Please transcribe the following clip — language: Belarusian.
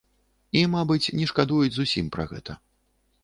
І, мабыць, не шкадуюць зусім пра гэта.